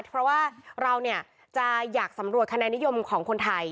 เพราะว่าเราจะอยากสำรวจคะแนนนิยมของคนไทย